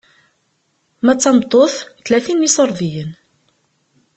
Ma d tameṭṭut, tlatin n iṣurdiyen.